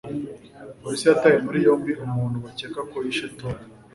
polisi yataye muri yombi umuntu bakeka ko yishe tom